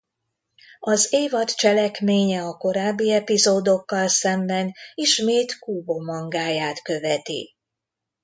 Az évad cselekménye a korábbi epizódokkal szemben ismét Kubo mangáját követi.